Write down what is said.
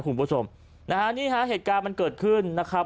คุณผู้ชมนะฮะนี่ฮะเหตุการณ์มันเกิดขึ้นนะครับ